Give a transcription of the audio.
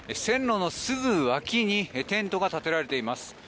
線路のすぐ脇にテントが立てられています。